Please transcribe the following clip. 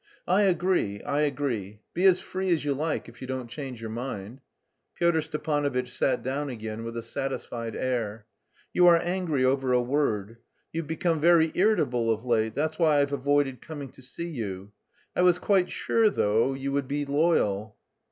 "I agree, I agree; be as free as you like if you don't change your mind." Pyotr Stepanovitch sat down again with a satisfied air. "You are angry over a word. You've become very irritable of late; that's why I've avoided coming to see you. I was quite sure, though, you would be loyal."